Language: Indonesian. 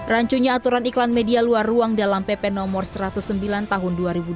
rancunya aturan iklan media luar ruang dalam pp no satu ratus sembilan tahun dua ribu dua puluh